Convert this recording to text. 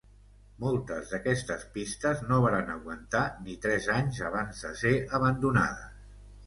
Moltes d'aquestes pistes no varen aguantar ni tres anys abans de ser abandonades.